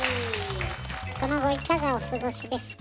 その後いかがお過ごしですか？